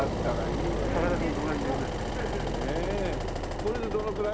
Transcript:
これでどのくらい？